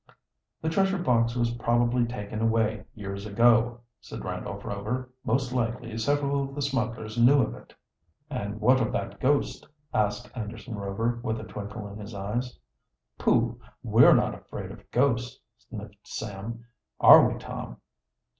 "The treasure box was probably taken away years ago," said Randolph Rover. "Most likely several of the smugglers knew of it." "And what of that ghost?" asked Anderson Rover, with a twinkle in his eyes. "Pooh! we're not afraid of ghosts," sniffed Sam. "Are we, Tom?"